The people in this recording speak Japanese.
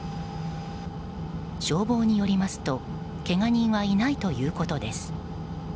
消防によりますとけが人はいないということです。